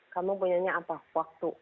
kamu punya apa waktu